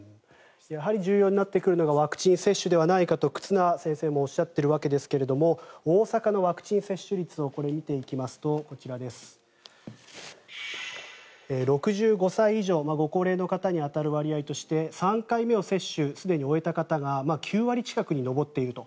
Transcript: やはり重要になってくるのがワクチン接種ではないかと忽那先生もおっしゃっているわけですが大阪のワクチン接種率を見ていきますとこちら、６５歳以上ご高齢の方に当たる割合として３回目を接種すでに終えた方が９割近くに上っていると。